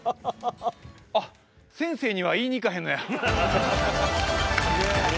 あっ先生には言いに行かへんのや。